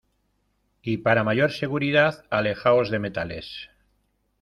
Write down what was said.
y para mayor seguridad, alejaos de metales